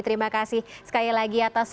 terima kasih sekali lagi atas